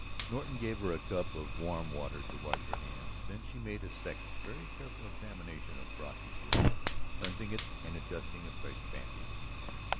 Norton gave her a cup of warm water to wash her hands. Then she made a second, very careful examination of Brocky's wound, cleansing it and adjusting a fresh bandage.